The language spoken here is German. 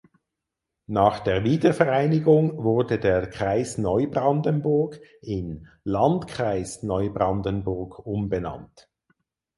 Nach der Wiedervereinigung wurde der Kreis Neubrandenburg in Landkreis Neubrandenburg umbenannt.